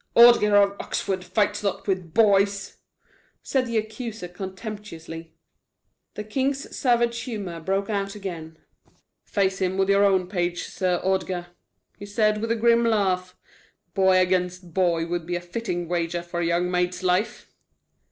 "Ordgar of Oxford fights not with boys!" said the accuser contemptuously. The king's savage humor broke out again. "Face him with your own page, Sir Ordgar," he said, with a grim laugh. "Boy against boy would be a fitting wager for a young maid's life."